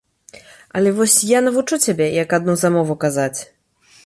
Але вось я навучу цябе, як адну замову казаць.